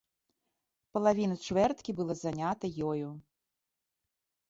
Палавіна чвэрткі было занята ёю.